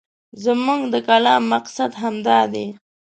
زموږ د کالم مقصد همدا دی.